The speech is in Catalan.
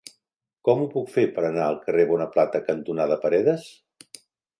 Com ho puc fer per anar al carrer Bonaplata cantonada Paredes?